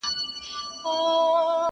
دا وطن دی د رنځورو او خوږمنو؛